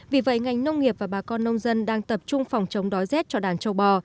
vì vậy ngành nông nghiệp và bà con nông dân đang tập trung phòng chống đói rét cho đàn trâu bò